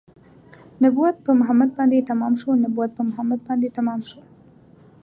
نبوت په محمد باندې تمام شو نبوت په محمد باندې تمام شو